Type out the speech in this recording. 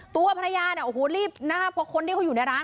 ตัวภรรยาเนี่ยโอ้โหรีบนะคะเพราะคนที่เขาอยู่ในร้าน